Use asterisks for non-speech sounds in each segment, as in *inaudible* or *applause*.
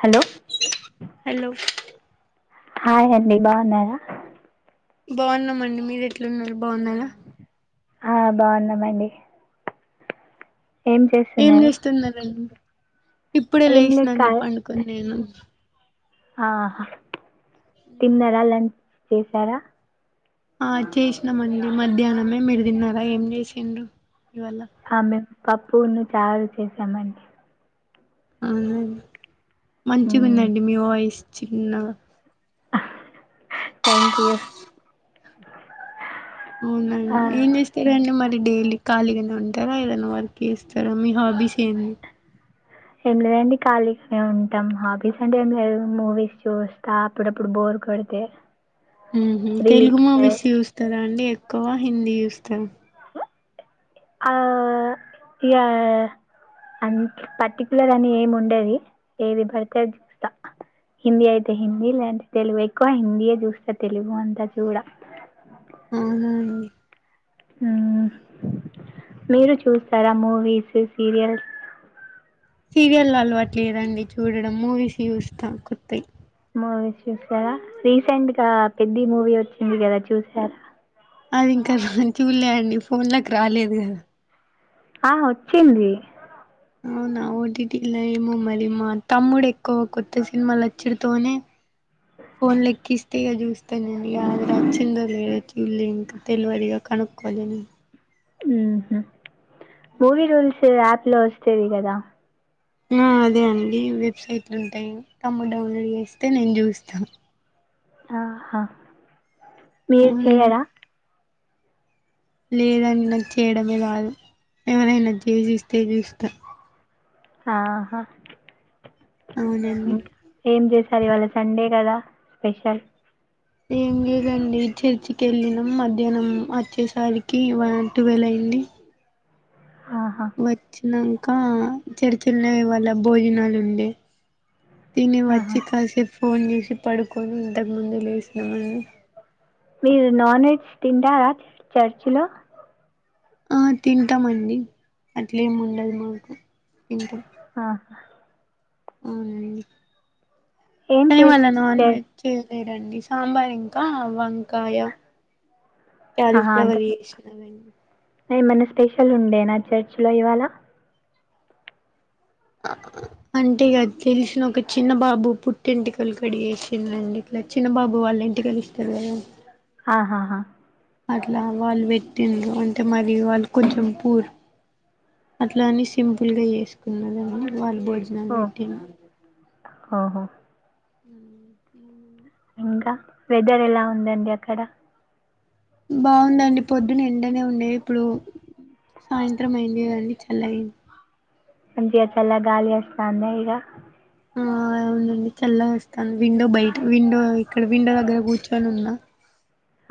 Hello hello hi అండి బావున్నారా బావున్నామండి మీరు ఎట్లున్నారు బావున్నారా ఆ బావున్నామండి ఏం చేస్తున్నారండి ఇప్పుడే ఏం లేగిషినాండి పండుకొని నేను ఆహ తిన్నారా లాం చేశారా ఆ చేశినామండి మధ్యాహ్నమే మీరు తిన్నారా ఏం చేసిండ్ర ఇవాళ పప్పు ఉన్ను చాలు చేసామండి అవు మంచి గ ఉందండి మీ వయిస్ చిన్నగ థ్యాంక్ యూ అవునుండి ఏన్ చేస్తర అండి మ డైలీ ఖాళీగానే ఉంటారా ఏదైనా వర్క్ చేస్తారా మీ హాబీస్ ఏంది ఏం లేదండి ఖాళీగానే ఉంటాం హాబీస్ అంటే ఏం లేదు మూవీస్ చూస్తా అప్పుడప్పుడు బో కోడితే *inaudible* తెలుగు మువిస్ చూస్తారా అండి ఎక్కువ హిందీ చూస్తారా *unintelligible* అంత్ పర్టికులర్ అని ఏమి ఉండది ఏది బర్తే అది చూస్తా హిందీ అయితే హిందీ లేంటే తెలుగు ఎక్కువ హిందీయే చూస్త తెలుగు అంతా చూడ *inaudible* అవునా అండి ఉమ్ మీరు చూస్తారా మూవీస్ ఉ సీరియల్స్ సీరియల్ అలవాట్ లేదండి చూడడం మూవీస్ చూస్తా కొత్తాయి మూవీస్ చూసారా రీసెంట్ గా పెద్ధి మూవీ వచ్చింది కదా చూసారా అది ఇంకా చుల్లే అండి ఫోన్లకి రాలేదు కదా ఆ వచ్చింది అవునా ఓటిటిలా ఏమో మరి మా తమ్ముడు ఎక్కువ కొత్త సినిమాలు వచ్చడితోనే ఫోన్ లెక్కిస్తే ఇగా చూస్తానండి ఎలాది నచ్చిందో లేదో చూలింక్ తెలివరిగా *unintelligible* *unintelligible* మూవీ రూల్స్ యాప్ లో వస్తది కదా *unintelligible* అదే అండి వెబ్సైట్లు ఉంటాయి తము డౌన్లోడ్ చేస్తే నేను చూస్తాను ఆహా మీరు చెయ్యారా లేదన్నది చేయడమే రాదు ఎవరైనా చేసి ఇస్తే చూస్తా ఆహా అవునండి ఇంకా ఏం చేసి సర ఇవాళ్ళ సండే కదా స్పెషల్ ఏం లేదండి చర్చికి వెళ్ళినాం మధ్యాహ్నం వచ్చేసరికి వంటి వెలై అండి ఆహా వచ్చినంక చర్చల్నే ఇవాళ భోజనాలు ఉండే తిని ఆహా వచ్చి కసేపు ఫోన్ చేసి పడుకొని ఇంతకు ముందే లేసినమండి మీరు నాన్ వెజ్ తింటారా చర్చి లో ఆ తింటామండి అట్లేమి ఉండదు మాకు తింటాం ఆ అవునండి ఏం కనీ ఇవాళ నన్ చేశారు వెెజ్ రండి సాంబార్ ఇంకా వంకాయ క్యాలీఫ్లవర్ చేసినారండి ఏమన్నా స్పెషల్ ఉండే నా చర్చ్ లో ఇవాళ ఆ అంటే ఇగ తెలిసినోక చిన్న బాబు పుట్టెంటికల్ కడ్చేసిళ్ళండి ఇట్లా చిన్నబాబు వాళ్ళ ఎంటికాలు ఇస్తారు కదా ఆహాహా అట్లా వాళ్ళు పెటిండ్రు అంటే మరి వాళ్ళు కొంచెం పూర్ అట్లాని సింపుల్గా చేసుకున్నరం వాళ్ళు భోజనాలు ఓ పెట్టిన్ ఓహో మ్ ఇంకా వెదర్ ఎలా ఉందండి అక్కడ బాగుందండి పొద్దున ఎండనే ఉండేది ఇప్పుడు సాయంత్రం అయిందికదండీ చల్లగయింది మంచిగా చల్లాగాలీవస్తంద ఇగ ఆ అవునండి చల్లగోస్థాంది విండో బయట విండో ఇక్కడ విండో దగ్గర కూర్చొని ఉన్నా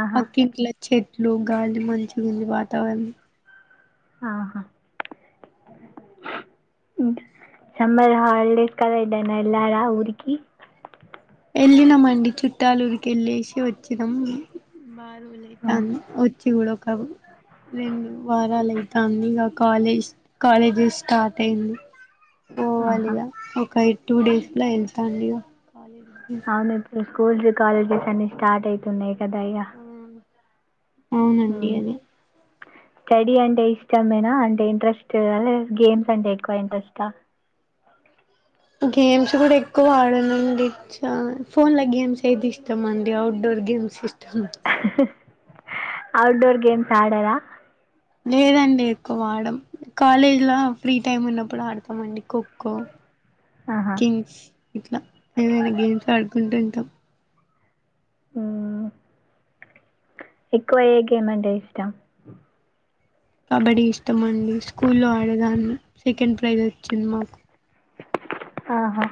ఆహా పకింట్లో చెట్లు గాలి మంచిగుంది వాతావరణం ఆహా సమ్మర్ హాలిడేస్ కద ఎటైనా ఎల్లర ఊర్కి వెళ్ళినాంమండి చుట్టాలూరుకి వెళ్ళసి వచ్చినాం వర్ ఆ, లైతాంది వచ్చికుడా ఒక రెండు వారాలు అయితాంది ఇగ కాలేజ్ కాలేజెస్ స్టార్ట్ అయింది ఆహా పోవాలిగా ఒక టూ డేస్ లో వెళ్తాను ఇగ కాలేజ్ అవును ఇప్పుడు స్కూల్స్ కాలేజెస్ అన్ని స్టార్ట్ అయితున్నాయి్ కదా ఇగ అవునండి అది అ స్టడీ అంటే ఇష్టమేనా అంటే ఇంట్రెస్ట్ గేమ్స్ అంటే ఎక్కువ ఇంట్రెస్ట్ ఆ గేమ్స్ కూడా ఎక్కువ ఆడనండి చ ఫోన్ ల గేమ్స్ అయితే ఇష్టం అండి అఔట్ డోర్ గేమ్స్ ఇష్టం ఔట్ డోర్ గేమ్స్ ఆడరా లేదండి ఎక్కువ ఆడం కాలేజ్లా ఫ్రీ టైమ్ ఉన్నప్పుడు ఆడుతామండి కోఖో ఆహా! కింగ్స్ ఇట్లా ఏమైనా గేమ్స్ ఆడుకుంటూ ఉంటాం ఆ ఎక్కువ ఏ గేమ్ అంటే ఇష్టం కబడ్డీ ఇష్టం అండి స్కూల్లో ఆడేదాన్ని సెకండ్ ప్రైజ్ వచ్చింది మాకు ఆహా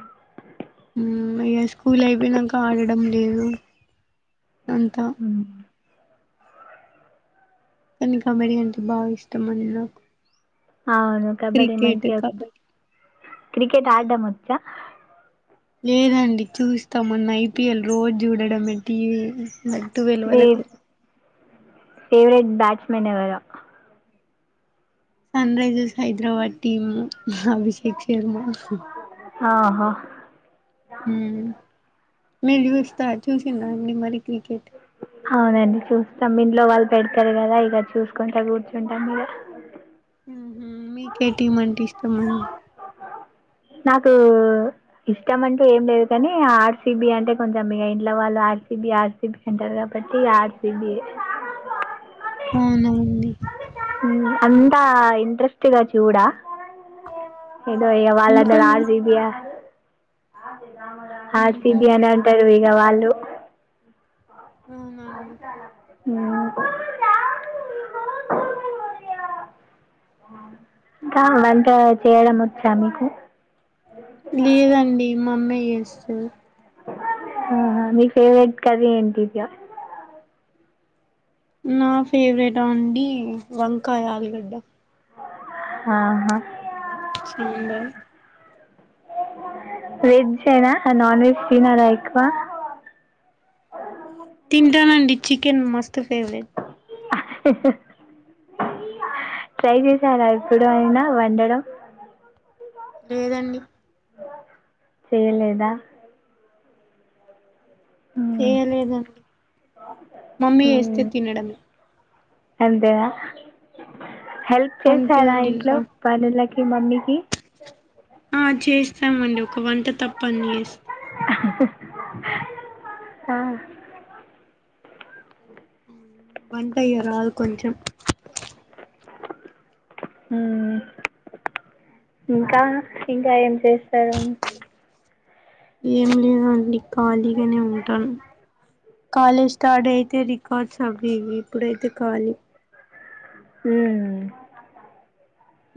మ్ ఇగ స్కూల్ అయిపోయినంక ఆడడం లేదు అంతా హ్మ్. కానీ కామెడీయన్ బాగా ఇష్టం అండి నాకు అవును కబడ్డి క్రికెట్ మంచిగా కబడ్డీ క్రికెట్ మ్మ్. ఆడ్డం వచ్చా లేదండి చూస్తా మొన్న ఐపీఎల్ రోజు చూడడంటివీ టువేల్ మీ వరకు ఫేవరెట్ బ్యాట్స్మెన్ ఎవరొ Sunrisers Hyderabad team Abhishek Sharma ఆహ మ్మ్. మీరు చూస్తా చూసిన్రా అండి మరి క్రికెట్ అవునండి చూస్తాం ఇంట్లో వాళ్ళు పెడతారు కదా ఇగ చూసుకుంటా కూర్చుంటాం మీద మీకే టీం అంటే ఇష్టమండి నాకు ఇష్టం అంటూ ఏం లేదు కానీ ఆర్సిబి అంటే కొంచెం ఇగ ఇంట్లో వాళ్ళు ఆర్సిబి ఆర్సిబి అంటారు కాబ పట్టిగా ఆర్సిబియే అవునండి అంతా ఇంట్రెస్ట్గా చూడా ఏదో వాళ్ళ అందర ఎందుకండి ఆర్సీబీ యా మ్హూ. ఆర్సిబి అని అంటారు ఇగ వాళ్ళు అవునండి ఉ కా అంత చేయడం వచ్చా మీకు లేదండి మా అమ్మయి చేస్ ఆహా మీ ఫేవరెట్ కర్రీ ఏంటిదివ్య నా ఫేవరటా అండి వంకాయ ఆలుగడ్డ ఆహా సాంబార్ వెజ్నా నాన్ వెజ్ తీనర ఎక్కువ తింటానండి చికెన్ మస్తు ఫేవరెట్ హహ ట్రై చేసారా ఎప్పుడు అయినా వండడం లేదండి చేయలేదా మ్మ్. చేయలేదం మమ్మీ చేస్తే మ్మ్. తినడమే అంతేనా హెల్ప్ అంతే చేస్తారా అండి ఇక ఇంట్లో పనుల కి మమ్మికి ఆ చేస్తామండి ఒక వంట తప్ప అన్నీ చేస్ ఆ వంటయరాదు కొంచం ఉ ఇంకా ఇంకా ఏం చేస్తారు ఏం లేదు అండి నీ ఖాళీగానే ఉంటాను కాలేజ్ స్టార్ట్ అయితది కట్స్ అవి ఇవి ఇప్పుడైతే కాలి ఉమ్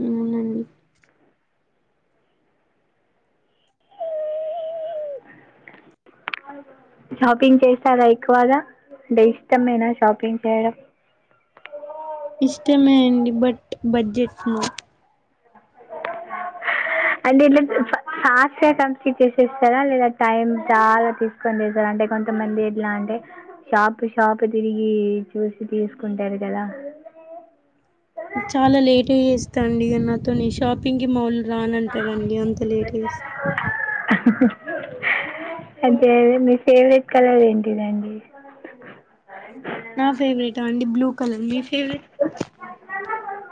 అవునండి ఓ షాపింగ్ చేస్తారా ఎక్కువగా డే ఇష్టమేనా షాపింగ్ చేయడం ఇష్టమే అండి బట్ బడ్జెట్ నో అంటే ఇట్లా ఫాస్ట్ గా కంప్లీట్ చేసేస్తారా లేదా టైమ్ చాలా తీసుకోని చేస్తారా అంటే కొంతమంది ఎట్లా అంటే షాపు షాపు తిరిగి చూసి తీసుకుంటారు కదా చాలా లేట్ గ చేస్తా అండి ఇగ నాతో ని షాపింగ్ కి మావాళ్లు రానంటారండి అంత లేడీస్ అదే మీ ఫేవరెట్ కలర్ ఏంటిదండి అ నా ఫేవరెట్ా అండి బ్లూ కలర్ మీ ఫేవరెట్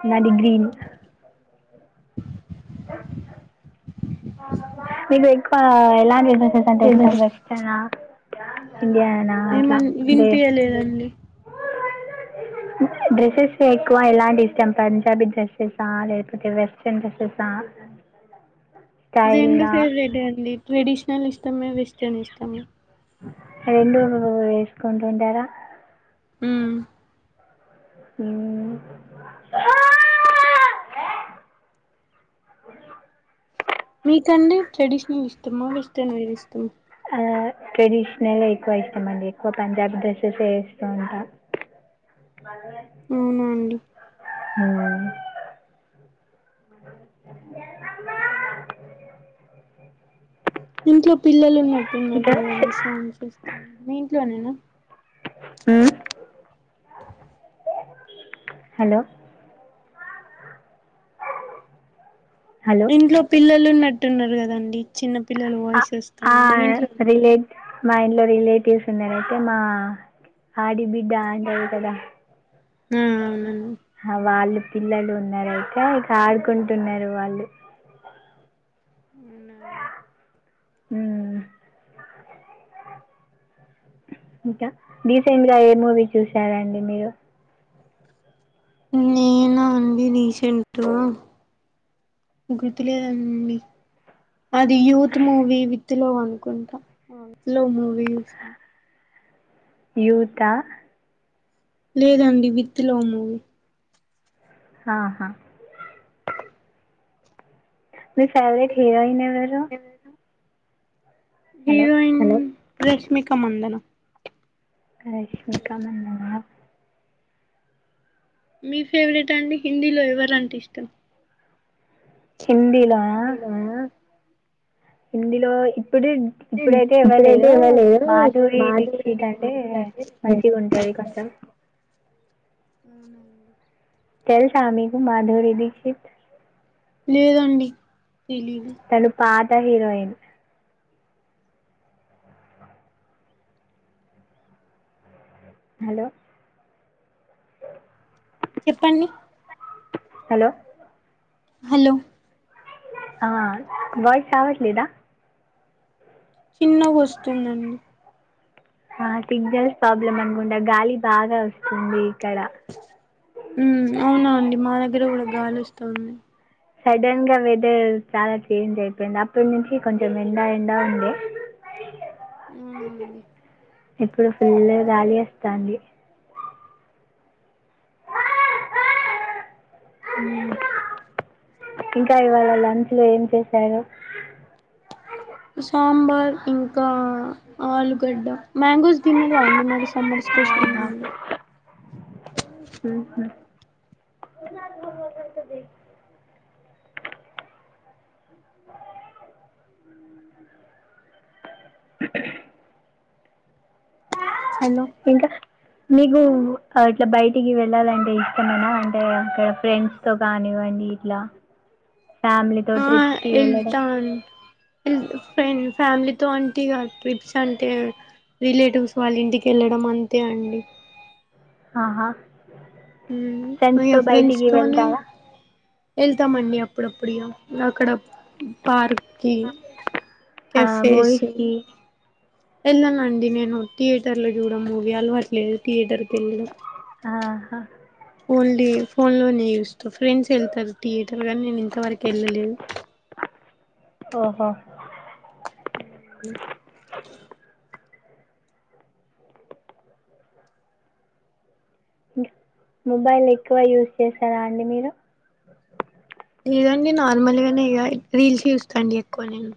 నాది గ్రీన్ ఎక్కువగా ఎలాంటి డెసెస్ అంటే ఇష్టం వేస్టర్న ఇండియనా ఇట్లా ఏమన్ దే వినిపియలేదండి డ్రెస్సెస్ ఎక్కువ ఎలాంటియి ఇష్టం పంజాబీ డ్రెస్సెసా లేకపోతే వెస్ట్రన్ డ్రెస్సెసా డి రెండు ఫేవరెట్ అండి ట్రెడిషనల్ ఇష్టమే వెస్ట్రన్ ఇష్టము రెండు వేసుకుంటుంటారా మ్ మ్ మీకంటే ట్రెడిశ్నల్ ఇష్టమా వెస్ట్రన్ వేర్ ఇష్టమా ట్రెడిష్నల్ ఎక్కువ ఇష్టమండి ఎక్కువ పంజాబీ డ్రెస్సెస్ ఎ ఏస్తూంటా మ అవున అండి మ్ ఇంట్లో పిల్లలు ఉన్నట్టున్నారు ఇంకా కదా అండి సౌండ్స్ వస్తు మీ ఇంట్లోనేనా మ్ హలో హలో ఇంట్లో పిల్లలు ఉన్నట్టున్నారు కదండి చిన్న పిల్లల వాయిస్ వస్త ఉంది మీ ఇంట్లో రిలేట్ మా ఇంట్లో రిలేటివ్స్ ఉన్నారైతే మా ఆడి బిడ్డ అంటరు కదా ఆ అవునండి హ వాళ్ళు పిల్లలు ఉన్నారు అయితే ఇక ఆడుకుంటున్నారు వాళ్ళు అవున అండి మ్ ఇంకా డీసెంట్గా ఏ మూవీ చూసారండి మీరు నేన అండి రీసెంట్గ గుర్తులేదండి అది యూత్ మూవీ విత్ లవ్ అనుకుంటా ఆ విత్ లవ్ మూవీ చూసన్ యుత లేదండి విత్ లవ్ మూవి ఆహా మీ ఫేవరెట్ హీరోయిన్ ఎవరు హలో హీరోయిన్ రష్మిక మందన క రష్మిక మందన మీ ఫేవరెట్ అండి హిందీలో ఎవరంటే ఇష్టం హిందీలోన హిందీలో ఇందులో ఇప్పుడు ఇది ఇప్పుడైతే ఇప్పుడైతే ఇవ్వలేదు ఎవరు లేరు మాధురి దీక్షిత్ అంటే అంటే మంచిగ ఉంటది ఇంకొంచం అవున తెల్స మీకు మాధురి దీక్షిత్ లేదండి తెలిదు తను పాత హీరోయిన్ హలో చెప్పండి హలో హలో ఆ వాయిస్ రావట్లేదా చిన్నగ వస్తుందండి ఆ సిగ్నల్స్ ప్రాబ్లమ్ అనుకుంటా గాలి బాగ వస్తుంది ఇక్కడ ఉ అవునా అండి మా దగ్గర కూడా గాలివస్తోంది సడన్ గా వెదర్ చాలా చేంజ్ అయిపోయింది. అప్పటి నుంచి కొంచెం ఎండా ఎండా ఉంది అ ఊనా అండి ఇప్పుడు ఫుల్ గాలీ వస్తాంది ఉ ఇంకా ఇవాళ లంచ్ లో ఏం చేశారు సాంబార్ ఇంకా ఆలుగడ్డ మ్యాంగోస్ తిన్నరా అండి మరి సమ్మర్ స్పెషల్ మ్యాంగో ఉహు హలో ఇంకా మీకు ఇట్లా బయటికి వెళ్ళాలంటే ఇష్టమేనా అంటే అక్కడ ఫ్రెండ్స్ తో కాని అండి కాని ఇట్లా ఫ్యామిలీతో ట్రిప్ ఎల్తాన్ ఫ్రెం ఫ్యామిలీతో అంటి ట్రిప్స్ అంటే రిలేటివ్స్ వాళ్ళ ఇంటికి వెళ్ళడం అంతే అండి ఆహ ఉ ఇ ఫ్రెండ్స్ తోనే వెళ్తారా వెళ్తామండి అప్పుడప్పుడు ఇయ అక్కడ పార్క్ కి కెఫెసు మూవీస్కి వెళ్ళనండి నేను థియేటర్లో చూడడం మూవీ అలవాట్లేదు థియేటర్కి వెళ్ళడం ఆహా ఓన్లీ ఫోన్లోనే చూస్త ఫ్రెండ్స్ వెళ్తారు థియేటర్ కానీ నేను ఇంతవరకు వెళ్ళలేదు ఓహో అ మొబైల్ ఎక్కువ యూస్ చేశారా అండి మీరు లేదండి నార్మల్గానే ఇగ రీల్స్ చూస్తాండి ఎక్కువ నేను